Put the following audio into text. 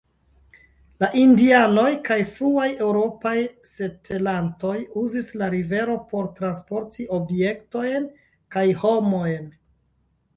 La Indianoj kaj fruaj eŭropaj setlantoj uzis la rivero por transporti objektojn kaj homojn.